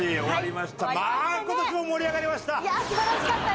まあ今年も盛り上がりました。